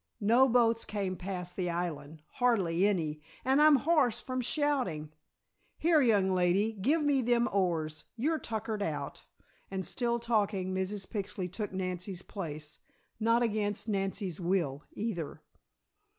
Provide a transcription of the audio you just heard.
No boats came past the island hardly any, and I'm hoarse from shoutin'. Here, young lady, give me them oars. You're tuckered out," and still talking Mrs. Pixley took Nancy's place, not against Nancy's will, either.